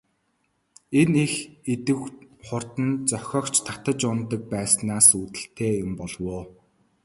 Энэ их идэвх хурд нь зохиогч татаж унадаг байснаас үүдэлтэй юм болов уу?